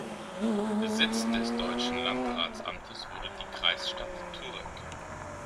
Sitz des deutschen Landratsamtes wurde die Kreisstadt Turek.